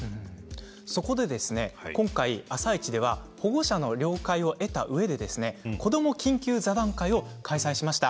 そこで今回「あさイチ」では保護者の了解を得たうえで子ども緊急座談会を開催しました。